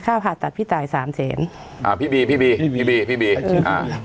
ผ่าตัดพี่จ่ายสามแสนอ่าพี่บีพี่บีพี่บีพี่บีอ่า